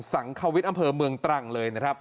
สังควิทย์อำเภอเมืองตรังเลยนะครับ